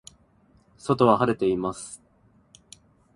外は晴れています。